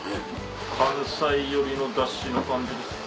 関西寄りのダシの感じですか？